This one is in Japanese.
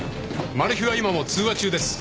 マルヒは今も通話中です」